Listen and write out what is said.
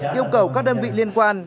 yêu cầu các đơn vị liên quan